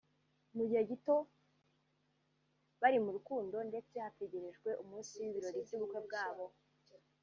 Mu gihe kitari gito bari mu rukundo ndetse hategerejwe umunsi w’ibirori by’ubukwe bwabo